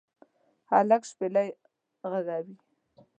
هلک شپیلۍ ږغوي